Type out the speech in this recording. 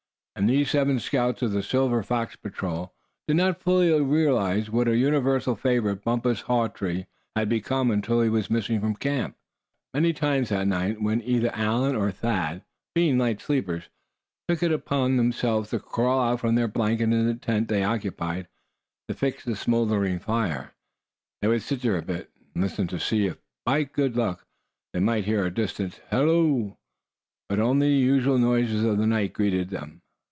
And these seven scouts of the Silver Fox Patrol did not fully realize what a universal favorite Bumpus Hawtree had become until he was missing from camp. Many times that night when either Allan or Thad, being light sleepers, took it upon themselves to crawl out from their blanket in the tent they occupied, to fix the smouldering fire, they would sit there a bit, and listen to see if by good luck they might hear a distant "halloo." But only the usual noises of the night greeted them.